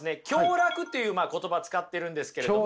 享楽っていう言葉使ってるんですけれども。